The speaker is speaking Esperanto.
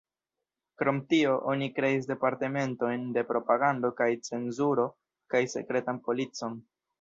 Krom tio, oni kreis departementojn de propagando kaj cenzuro kaj sekretan policon.